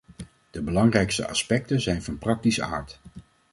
De belangrijkste aspecten zijn van praktische aard.